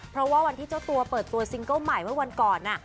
เพราะว่าวันที่เจ้าตัวเปิดตัวซิงเกิ้ลใหม่เมื่อวันก่อน